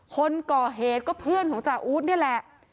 คนก่อเหตุก็เพื่อนของจาอู๊ดนี่แหละ